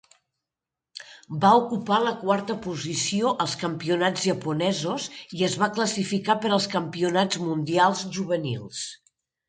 Va ocupar la quarta posició als campionats japonesos i es va classificar per als campionats mundials juvenils.